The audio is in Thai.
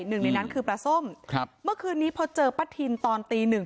หนึ่งในนั้นคือปลาส้มครับเมื่อคืนนี้พอเจอป้าทินตอนตีหนึ่ง